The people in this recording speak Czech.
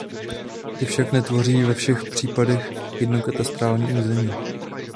Ty však netvoří ve všech případech jedno katastrální území.